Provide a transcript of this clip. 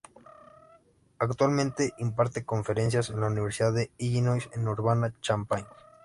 Actualmente imparte conferencias en la universidad de Illinois en Urbana-Champaign.